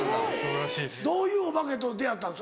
どういうお化けと出会ったん？